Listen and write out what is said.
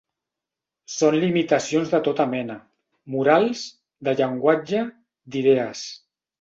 Són limitacions de tota mena: morals, de llenguatge, d'idees.